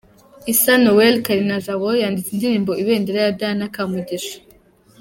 Issa Noel Karinijabo wanditse indirimbo 'Ibendera' ya Diana Kamugisha.